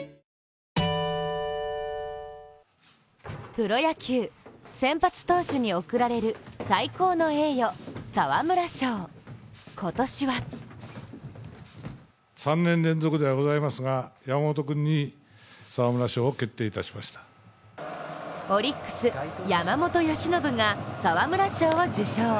プロ野球、先発投手に贈られる最高の栄誉、沢村賞、今年はオリックス・山本由伸が沢村賞を受賞。